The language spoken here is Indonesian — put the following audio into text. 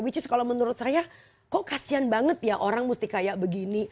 which is kalau menurut saya kok kasian banget ya orang mesti kayak begini